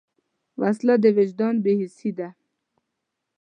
وسله د وجدان بېحسي ده